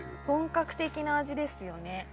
本格的な味ですよね。